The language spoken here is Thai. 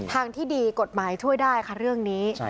ทางที่ดีกฎหมายช่วยได้ค่ะเรื่องนี้